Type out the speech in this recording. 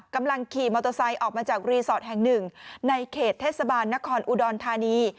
กำลังขี่มอเตอร์ไซค์ออกมาจากรีสอร์ทแห่งหนึ่งในเขตเทศบาลนครอุดรธานี